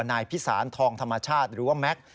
นายพิสารทองธรรมชาติหรือว่าแม็กซ์